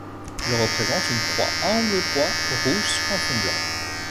Il représente une croix à angles droits, rouge sur un fond blanc.